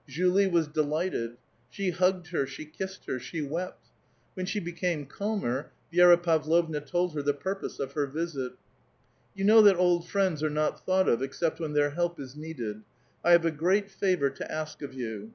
Julie was delitjchted. JShe liugged her, she kissed her, she wept. Wlien bJie became euhuer, Vi^ra Pavlovna told her the pur pose of her visit. '• You know that old friends are not thought of, except when, their lielp is needed. I have a great favor to ask of you.